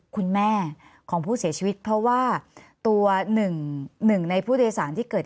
คุณแม่ของผู้เสียชีวิตเพราะว่าตัวหนึ่งหนึ่งในผู้โดยสารที่เกิด